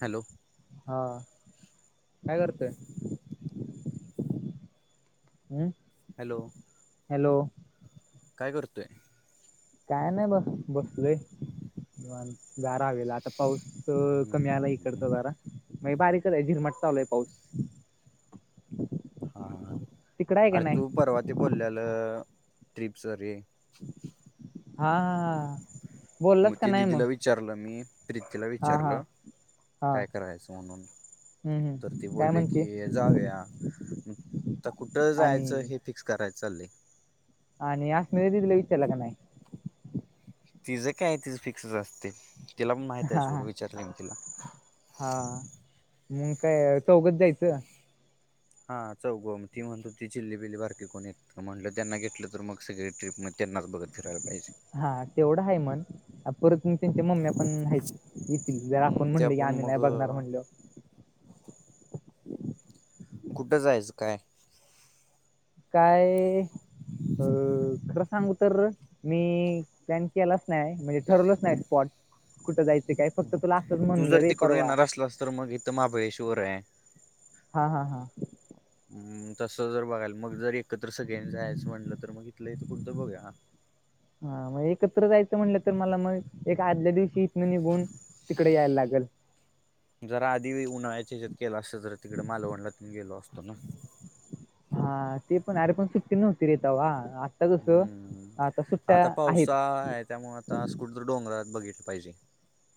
Hello. हा, काय करतोय? हम्म. हॅलो. हॅलो. काय करतोय? काय नाही बा. बसलोय निवांत. गारा हवेलात. आता पाऊस कमी आला इकडच हम्म जरा. म बारीकच आहे. झिरमट चालोय पाऊस. हां हां. तिकडं आहे का अरे नाही? तू परवा ते बोललेलं. ट्रिप च रे. हा. म बोललास का ते नाही मग? दिदीला विचारलं मी. प्रितीला हा विचारल हा हा काय करायच म्हणून? हम्म तर ती हम्म काय बोली म्हणते? की जाऊया. त कुठ जायचं आणि हे फिक्स कराय चालू. आणि अश्विनी दीदी ला विचारला का नाही? तिझं काये तिच फिक्स असते. तिला पण माहिते हा सोड. हा विचारले मी तिला. हा मग काय चौघच जायचं? हा चौघ. म ती म्हणत होती. चिल्लीबिली बारकीे कोणत. म्हटलं त्यांना घेतलं तर मग सगळी ट्रिप म त्यांनाच बघत फिरायला पाहिजे. हा तेवढं हाये मण. परत म त्यांच्या मम्म्या पण हायेच. येतील जर हम्म आपण त्या म्हणले. पण आम्ही मग नाही बघणार म्हणल्यावर. कुठं जायचं काय? काय अ- खरं सांगू तर मी प्लान केलाच नाय म्हणजे ठरवलच नायत स्पॉट कुठं जाय तू जर तिकडून येणार असलास तर मग इथं महाबळेश्वर हाय. हा हा हा. तसं जर बघायला मग जर एकत्र सगळ्यांनी जायचं म्हटलं तर मग इथल्या इथं कुठ तर बघूया. हा मग एकत्र जायचं म्हणलं तर मला मग एक आदल्या दिवशी इथन निघून तिकड यायला लागल. जरा आधी उन्हा्याच्या हेज्यात केलं असत तर तिकड मालवणला तेन गेलो असतो ना. हा ते पण हाय, अरे पण सुट्टी नव्हतीरे तवा. हम्म आता पावसाळा हाय त्यामुळं आता आस कुठ तर डोंगरात बघितलं पाहिजे.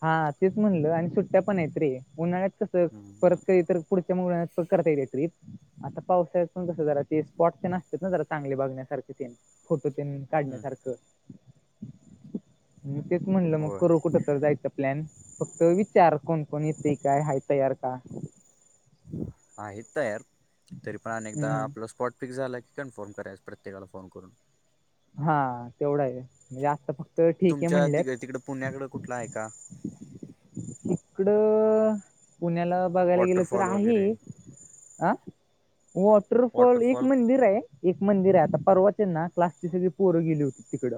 हा तेच म्हणलं आणि सुट्ट्या पण आहेत त रे उन्हाळ्यात कसं हम्म परत हम्म काही तर पुढच्या मुळयात पण करता एतिया ट्रिप. आता पावसाळ्यात पन कस जरा ते स्पॉट ते न असतेत ना जरा चांगले बघण्यासारखे तेन फोटो तेन. हम्म काढण्यासारखं मी तेच म्हणलं मग होय करू कुठं तर जायचं पॉल फक्त विचार कोण कोण येतय काय हाय तयार का. आहेत तयार तरी पण आणि एकदा हम्म आपलं स्पॉट फिक्स झाला की कन्फर्म कराचस प्रत्येकाला फोन करून. हा तेवढा आहे म्हणजे आता फक्त ठीक आहे तुमच्या म्हणल्यात. तिक तिकडं पुण्याकडं कुठला आहे का इकडं पुण्याला बघायला गेलं तर वॉटरफॉल वगैरे? आहे. आ वॉटरफॉल एक मंदिर आहे एक मंदिर आहे आता परवा तेन ना क्लास तिथ ती पोर गेली होती तिकडं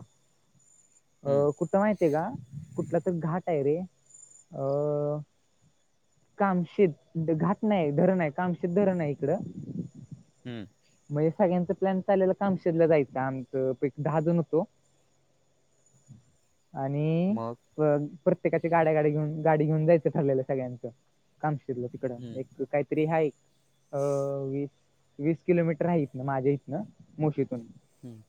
हम्म अ कु माहिताय का हाय का कुठला तर घाट आहे रे अ कामशीत घाट नाय धरण हाय कामशीत धरण हाय इकडं. हम्म. म्हणजे सगळ्यांचा प्लॅन चालेला कामशीतला जायंच आम च दहा जण होतो आणि मग प्रत्येकाची गाड्या गाडी घेऊन गाडी घेऊन जायचं ठरलेलं सगळ्यांचं. कामशितल तिकड हम्म एक काहीतरी हाय अ- वीस वीस किलोमीटर हाय इथन माझ्या इथनं मुशीतून. हम्म.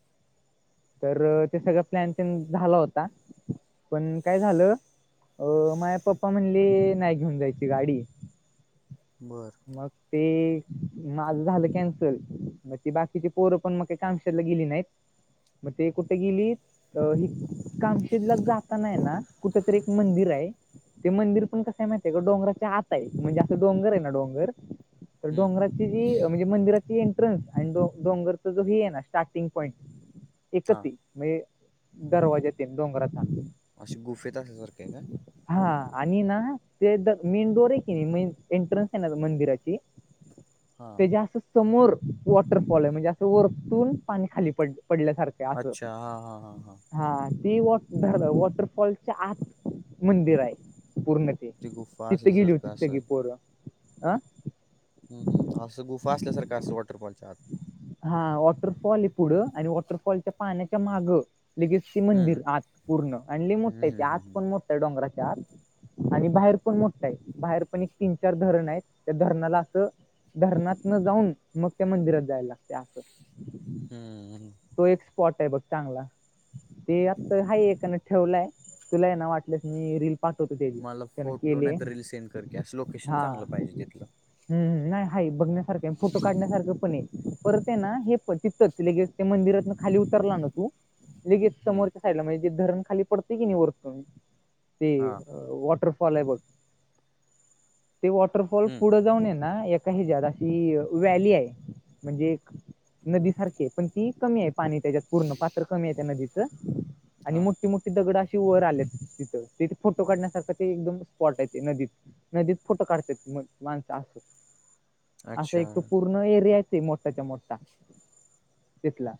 तर ते सगळं प्लॅन तेन झाला होता पण काय झालं अ माये पप्पा म्हणले नाय घेऊन जायची गाडी. बर. मग ते माझं झालं कॅन्सल मग ती बाकीची पोरं पण मग का कामशीतला गेली नायत. मग ते कुठ गेलीत अ ही कांम तला जाता नाही ना कुठ तरी एक मंदिर हाय. ते मंदिर पण कसय माहितय का डोंगराच्या आत आहे म्हणजे असं डोंगर आहे ना डोंगर तर हम्म डोंगराची जी म्हणजे मंदिराची एंट्रन्स आणि डोरचा जो ही आहे ना स्टार्टिंग एकच हा ए म्हणजे दरवाज्या तेन डोंगराचा. अशी गुफेत असल्यासारखी हाय काय? हा आणि ना ते मेन डोर आहे की नाय मे -एंट्रन्स आहे ना मंदिराची [inaudible] हां. जे असं समोर वॉटरफॉल आहे म्हणजे असं वरतून पाणी खाली पड पडल्यासारखं. आहे असं अच्छा हा हा हा हा. हा ती वॉ वॉटरफॉलच्या आत मंदिराय पूर्ण. ती गुफा तिथं गेली होतीत असल्यासारखं सगळी असेल पोर अं. हम् हम असं गुफा असल्या सारखं असतं वॉटरफॉलच्या आत. हा वॉटरफॉल आहे पुढं आणि वॉटरफॉलच्या पाण्याच्या माग लगेच ते हम्म मंदिर आत पूर्ण आण लई हम्म मोठाय ते हम्म आत हम्म पण मोठाय डोंगराच्या आत. आणि बाहेर पण मोठाय. बाहेर पण एक तीन चार धरण आहेत. त्या धरणाला असं धरणात न जाऊन मग त्या मंदिरात जायला लागतय असं. हम्. तो एक स्पॉट आहे बघ चांगला. ते आत्ता हा एकान ठेवलाय तुला ना वाटल्यास मी रील. पाठवतो तेजी मला त्यान फोटो केलीय नाही तर रील सेंड कर की असं लोकेशन हा. चांगलं पाहिजे तिथलं हम्म हम्म नाही हाय बघण्यासारखं फोटो काढण्यासारखं पणय परत आहे ना हे पण तिथंच. लगेच त्या मंदिरातन खाली उतरला न तू लगेच हम्म समोरच्या साईडला म्हणजे धरण खाली पडतय की नाही वरतून ते हा वॉटरफॉल आहे बघ ते वॉटरफॉल हम्म पुढं जाऊन ये ना एक त्या हे ज्यात अशी वॅली आहे म्हणजे एक नदीसारखीय. पण ती कमी आहे पाणी त्याच्यात पूर्ण पात्र कमी आहे त्या नदीचं आणि हा मोठी मोठी. ती दगड अशी वर आलेत तिथं तिथ फोटो काढण्यासारखं ते एकदम स्पॉट आहे ते नदीत. नदीत फोटो काढतेत मग माणसं अस. असा अच्छा एक तो पूर्ण एरियाच आहे मोठाच्या मोठा. तीथला.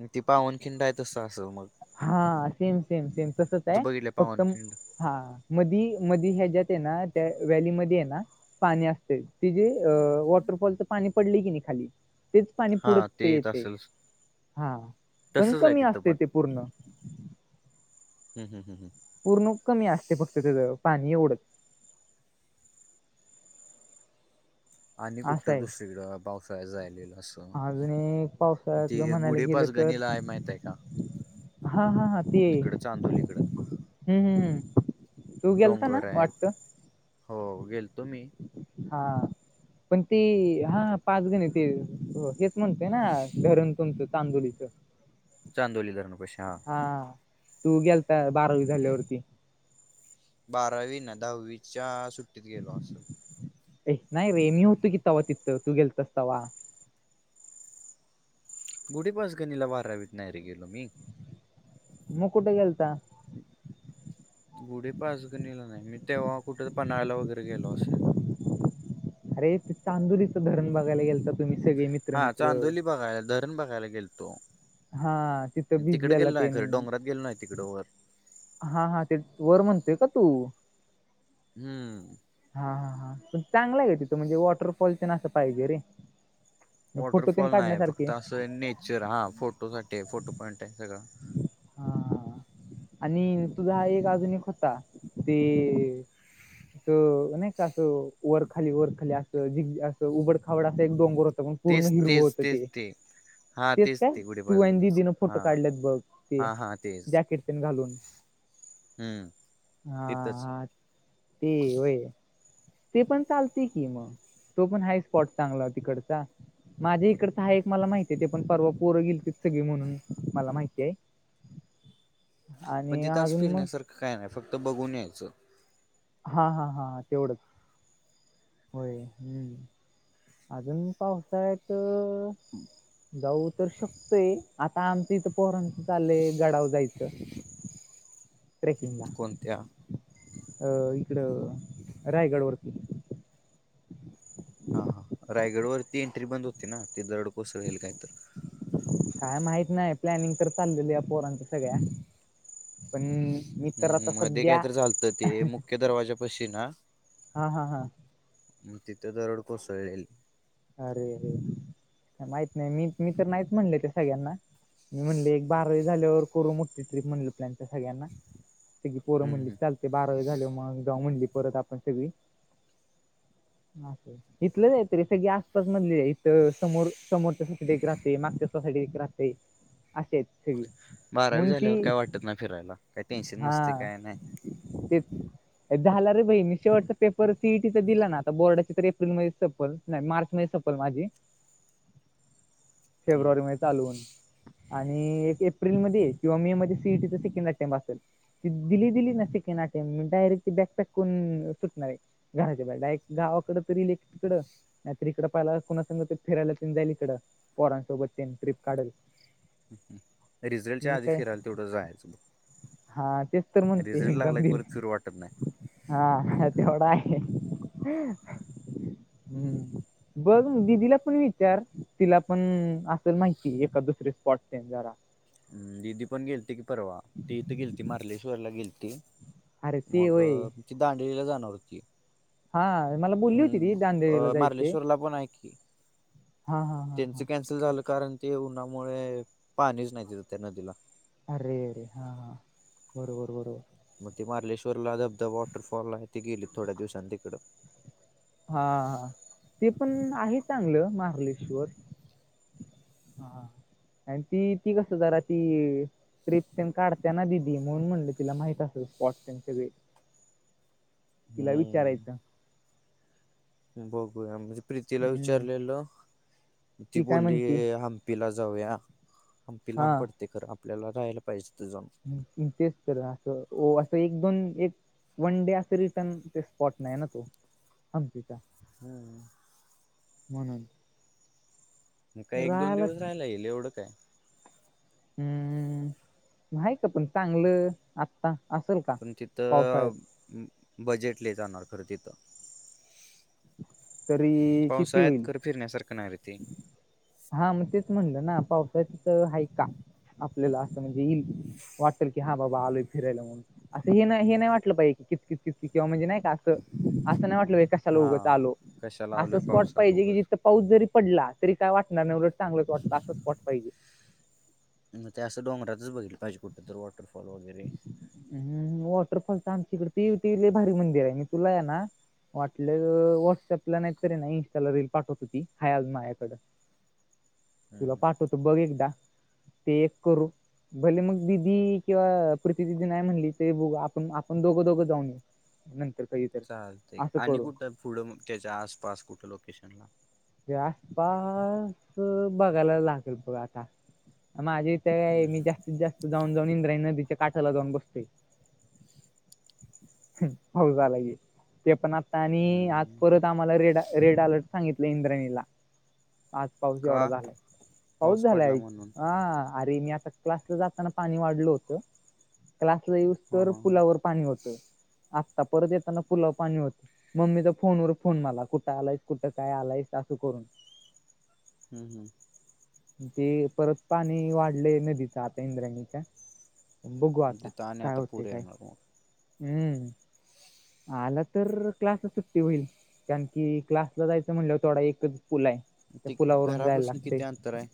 मग ती पावनखिंडाय तसं असलं मग. हा सेम सेम सेम तसच तू आहे बघितलं फक्त पावनखिंड हा मधी मधी ह्याज्यात आहे ना त्या वॅलीमध्ये आहे ना पाणी असतं. तिजे अ वॉटरफॉलच पाणी पडलंय की नाही खाली तेच पाणी हा पुढ तिथं ते येत येतय असेल हा पण तसंच आहे कमी तिथं असतय पण ते पूर्ण. हम हं हं हं पूर्ण कमी असतय फक्त तेज पाणी एवढच. आणि असं कुठं आहे दुसरीकडं पावसाळ्यात जायलेलं असं अजून एक ते पावसाळ्यातलं म्हणायला गुढे गेलं तर पाचगणीला आहे माहित माहीतय का हा हा हा ते इकड चांदोली कड. हम्म हम् हम. डोंगर आहेत हो गेलतो मी. हा. पण ते हा पाच गण ते हेच म्हणतय ना धरण तुमचं चांदोलीच. [inaudible] चांदोली धरणपशी हां. हा तू गेलता बारावी झाल्यावरती. बारावी ना दहावीच्या सुट्टीत गेलो असलं. ए नाही रे मी होतो कि तवा तिथं तू गेलतास तवा. गुढीपाचगणीला बारावीत नाही रे गेलो मी. मग कुट गेलता? गुढी पाचगणीला नाही मी तेव्हा कुठ पन्हाळ्याला वगैरे गेलो असेन. अरे ते चांदुरीच धरण बघायला गेल तर तुम्ही सगळे मी हा चांदोली बघायला धरण बघायला गेलतो. हा तिथं तिकड भिजलेला गेलो ते नाय व्हय, डोंगरात गेलोय तिकडं वर. हा हा ते वर म्हणतेय का तू? हम्म. हा हा हा पण चांगला आहे तिथ म्हणजे वॉटरफॉल चन असं पाहिजे रे. फोटो तेन वॉटरफॉल नाही. काढण्यासारखे फक्त असं आहे नेचर हा फोटोसाठी आहे फोटो पॉइंट आहे सगळं हा आणि तुझा हे एक आजुन एक होता ते तो नाही का असं वरखाली वरखाली असं जि असं उघड खावड असं एक डोगर तेच तेच तेच ते हात काय, तू आणि दीदीन फोटो काढलेत बघ ते हा हा तेच जॅकेट पण घालून. हम्म हा तिथंच हा ते होय. ते पण चालते की मग. तो पण हाय स्पॉट चांगला तिकडचा, माझ्या इकडचा हा एक मला माहिती आहे ते पण परव पोरं गेल ते सगळी म्हणून मला माहिती आहे. पण आणि तिथं असं अजून मग फिरण्यासारखं काय नाही फक्त बघून यायचं. हा हा हा तेवढंच. होय, अजून पावसाळ्यात हम् [inaudible] जाऊ तर शकतोय आता आमचं इथं पोरांच चालय गडावर जायच, ट्रेकिंग ला. कोणत्या अ इकड रायगड वरती. हा हा रायगडवरती एंट्री बंद होती ना, ते दरड कोसळहील काय तर काय माहीत नाही प्लॅनिंग कर चाललेल या पोरांच्या सगळ्या पण मी तर हम्म, आता मध्ये काय सध्या तरी चालतं ते मुख्य दरवाज्या पशी ना हा हा हा मग तिथे दरड कोसळलेले. अरे, अरे माहित नाही मी मी तर नाहीत म्हणल होते सगळ्यांना. मी म्हणले एक बारावी झाल्यावर करू मोठी ट्रीप म्हणले प्लॅन तर सगळ्यांना. सगळी पोरां हम्म म्हणली हम्म. चालते बारावी झाली मग जाऊ म्हणली परत आपण सगळी इथलंच आहे तरी सगळी अस च मधले इथ समोर समोरच्या सोसासाठी एक राहते. मागच्या सोसायटी एक राहते. आसे आहेत सगळे. बारावी म्हणून ती झाल्यावर काय वाटत नाही फिरायला काही टेन्शन नसते हा काय नाही तेच. झाला रे भाई मी शेवटचा पेपर सीईटीचा दिला ना आता बोर्डाची तर एप्रिलमध्येच सपल नाही मार्च संपेल माझी, हम्म फेब्रुवारी मध्ये चाल आणि एक एप्रिलमध्ये किंवा मे मध्ये सीईटीचा सेकंड अटेम्प असेल. ती दिली- दिली ती सेकंड अटेंड डायरेक्ट ती बॅच पटकन सुटणार आहे. घराच्या बाहेर, डाय गावाकडे तरीले तिकडं तर इकडं पाहिला कुणा सांगत फिरायला ते जाईल इकडं पोरांसोबत ते ट्रीप काढल. रिझल्टच्या मग आधी काय फिरायला तेवढं जायचं. हा तेच तर म्हणते मी रिझल्ट लागला एक्झाम की परत दिली फिरू वाटत हा तेवढ आहे. हम्म बघ दिदीला पण विचार तिला पण असेल माहिती एका दुसरे स्पॉट जरा दिदी पण गेलते की परवा, ती इथं गेलती मारलेश्वरला गेलती. अरे ते मग वय ती दांडवीला जाणार होती. हा मला बोलली होती अम् ती दांडेलीला अ जायचे मार्लेश्वरला पण आहे की. हा हा हा हा त्यांचं कॅन्सल झालं कारण, ते उन्हामुळे पाणीच नाही तिद त्या नदीला. अरे रे हां हां, बरोबर बरोबर. मग ते मार्लेश्वरला धबधबा वॉटरफॉल आहे, ते गेले थोड्या दिवसां तिकडं. हा हा, ते पण आहे चांगलं, मार्लेश्वर. हां आणि ती, ती कस जरा ती. ट्रिप त्य काढते ना दिदी, म्हणून म्हणलं तिला माहित असल स्पॉट ते सगळे. तिला विचारायचा. हम्म बघूया, म्हणजे प्रीतीला हम्म विचारलेलं, ती काय बोलली म्हणती हां म हंपीला जाऊया, हंपी लांब हां पडतय खरं आपल्याला, राहायला पाहिजे तीथ जाऊन. इंटरेस्ट तर असं, ओ असं एक दोन एक वन डे असं रिटर्न ते स्पॉट नाही ना तो, हंपीचा. हं. म्हणून. म काय एक दोन दिवस राहायला येईल, एवढं काय? हम्म, म हाय का पण चांगलं आत्ता, असल का, पण पावसाळ्यात? तिथं बजेट लई जाणार खरं तिथं. तरी किती पावसाळ्यात होईल खर फिरण्यासारखं नाय र ते. हा मग तेच म्हणलं ना, पावसाळ्यात तीथ आहे का? आपल्याला असं म्हणजे येईल वाटल की, हा बाबा आलोय फिरायला म्हणून. असं हे नही हे नाही वाटलं पाहि कीचकीच किंवा म्हणजे नाही का असं, असं नाही वाटलं पाहिजे, कशाला उगच हा. आलो. कशा असं लावलोय स्पॉट पावसात पाहिजे कि उगच. जिथं पाऊस जरी पडला, तरी काय वाटणार नाही, उलट चांगलच वाटतं असं स्पॉट पाहिजे. म ते असं डोंगरातच बघीतल पाहिजे, कुठं तर वॉटरफॉल वगैरे. हम् वॉटरफॉल तर आमच्याकड ते-ते लय भारी मंदिर ये, मी तुलाये ना वाटलं अ व्हॉट्सअपला नाही तरी ना इंस्टाला रील पाठवतो ति हाय आज माझ्याकड. [inaudible] हम्म तुला हम्म पाठवतो बघ एकदा, ते एक करू, भले मग दिदी किंवा अ प्रिती दीदी नाही म्हणली, ते बघू आपण-आपण दोघं- दोघं जाऊन येऊ. नंतर कधी तर चालतंय असं आणि करू. कुठं पुढं मग, त्याच्या आसपास कुठं लोकेशनला? त्या आसपास बघायला लागल बघ आता, माझ्या काय हम्म मी हम्म. जास्तीत-जास्त, जाऊन-जाऊन इंद्रायणी नदीच्या काठाला जाऊन बसतोय. होऊ जाला की, ते पण आणि आज हम्म परत आम्हाला रेड-रेड अलर्ट सांगितला इंद्राणीला आज पाऊस एवढा का झालाय, पाऊस पडला झालाय, म्हणून. हां. अरे मी आता क्लासला जाताना पाणी वाढल होतं, क्लासला हा येऊसतर हा हा पुलावर पाणी होतं. आत्ता परत येताना पुलावर पाणी होत, मम्मीचा फोनवर- फोन मला कुठं आलायस? कुठं काय आलायस असू करून? हम् हम्. ते परत पाणी वाढलय, नदीचा आता इंद्रायणीच्या. बघू आता, तिथं आणि काय आता होत पूर काय? येणार मग. हम्म, आलं तर क्लासला सुट्टी होईल, कारण की क्लास सला जायचं म्हणल्यावर तेवडा एकच पुल हाय, त्या ते पुलावरून जायला घरापासून लागते. किती अंतर आहे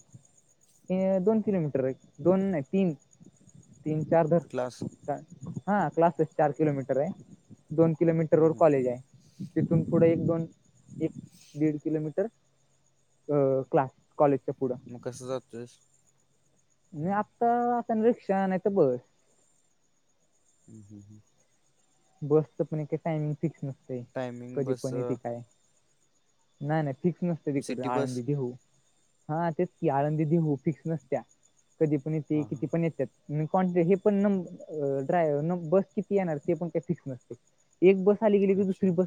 हे दोन किलोमीटर आहे. दोन नाही तीन तीन चार धर. क्लास. हा क्लासच चार किलोमीटर आहे. दोन किलोमीटर हम्म वर हम्म कॉलेज आहे. तिथून पुढे एक दोन. एक दीड किलोमीटर अं क्लास कॉलेजच्या पुढं. मग कसं जातोयस? मी आत्ता आता रिक्षा नाही तर बस. हम् हम् हम्. बसच पण एकेक टाइमिंग फिक्स नसत. टायमिंग बसच. नाही नाही फिक्स नसते तिकड सिटी बस? आळंदी देऊ. हा तेच की आळंदी देऊ फिक्स नसत्या कधी पण येते हा हा किती पण येत्याात. कनटि हे पण न ड्राय बस किती येणार ते पण काही फिक्स नसतेय. एक बस आली गेली की अच्छा. दुसरी बस.